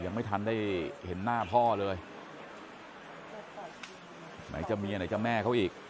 ยังไม่ทันได้เห็นหน้าพ่อเลยไหนจะเมียไหนจะแม่เขาอีก